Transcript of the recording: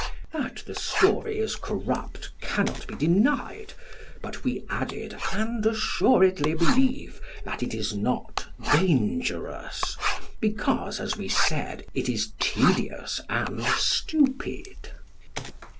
That the story is corrupt cannot be denied; but we added, and assuredly believe, that it is not dangerous, because, as we said, it is tedious and stupid.